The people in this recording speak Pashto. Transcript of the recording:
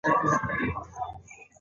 کله چې درې واړه صحابه شهیدان شول.